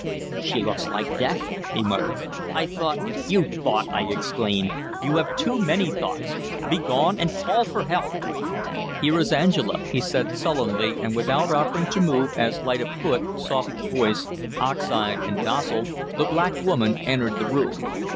"She looks like death," he muttered. "I thought" "You thought!" I exclaimed. "You have too many thoughts. Begone, and call for help!" "Here is Angela," he said sullenly and without offering to move, as, light of foot, soft of voice, ox eyed and docile, the black woman entered the room.